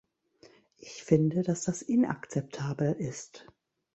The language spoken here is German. Ich finde, dass das inakzeptabel ist.